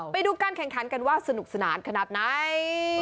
ไปดูการแข่งขันกันว่าสนุกสนานขนาดไหน